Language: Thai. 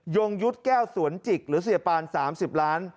ยงยุทธ์แก้วสวนจิกหรือเสียปาน๓๐ล้าน